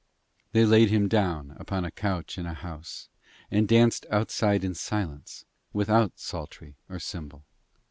They laid him down upon a couch in a house, and danced outside in silence, without psaltery or cymbal.